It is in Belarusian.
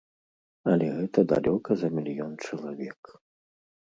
Але гэта далёка за мільён чалавек.